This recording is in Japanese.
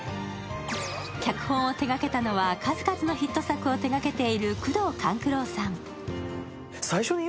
脚本を手がけたのは、数々のヒット作を手がけている宮藤官九郎さん。